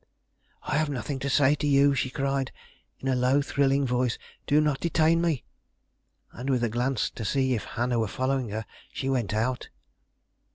"I have nothing to say to you!" she cried in a low, thrilling voice. "Do not detain me." And, with a glance to see if Hannah were following her, she went out.